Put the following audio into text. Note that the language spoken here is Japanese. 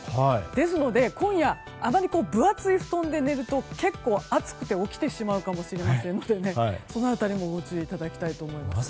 ですので今夜あまり分厚い布団で寝ると結構、暑くて起きてしまうかもしれませんのでその辺りもご注意いただきたいと思います。